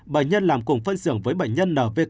bệnh nhân làm cùng phân xưởng với bệnh nhân nvk